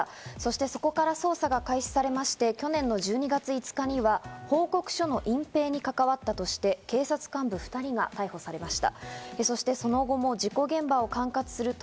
そこから捜査が開始されまして、去年の１２月５日には報告書の隠蔽に関わったとして、警察幹部２人が逮捕されました。